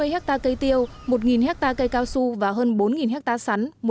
hai trăm bốn mươi hectare cây tiêu một hectare cây cao su và hơn bốn hectare sắn